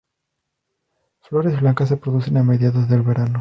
Flores blancas se producen a mediados del verano.